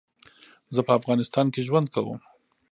زه په افغانستان کي ژوند کوم